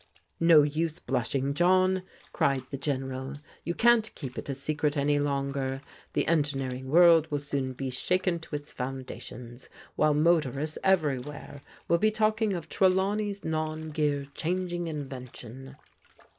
" No use blushing, John," cried the Gieneral. " Yt can't keep it a secret any longer. The engineering wor. will soon be shaken to its foundations, while motorist everywhere will be talking of 'Trelawney's Non gea Changing Invention.'